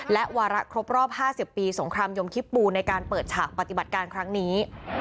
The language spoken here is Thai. และวาระครบรอบ๕๐ปีสงครามยมคิปปูในการเปิดฉากปฏิบัติการครั้งนี้